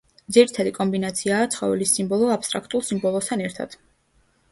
ძირითადი კომბინაციაა ცხოველის სიმბოლო აბსტრაქტულ სიმბოლოსთან ერთად.